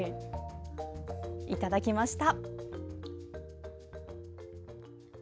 いただきました。